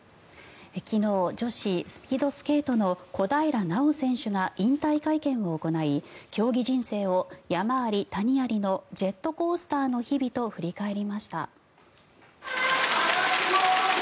昨日女子スピードスケートの小平奈緒選手が引退会見を行い競技人生を山あり谷ありのジェットコースターの日々と振り返りました。